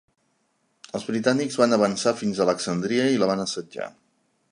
Els britànics van avançar fins a Alexandria i la van assetjar.